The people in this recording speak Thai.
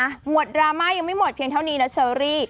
หมดดราม่ายังไม่หมดเพียงเท่านี้นะเชอรี่